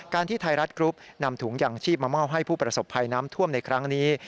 ที่ไทยรัฐกรุ๊ปนำถุงยางชีพมามอบให้ผู้ประสบภัยน้ำท่วมในครั้งนี้